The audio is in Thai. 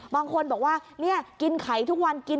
บางคนบอกว่าเนี่ยกินไขทุกวัน